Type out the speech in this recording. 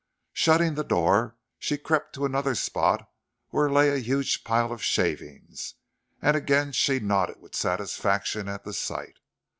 Shutting the door, she crept to another spot where lay a huge pile of shavings, and again she nodded with satisfaction at the sight.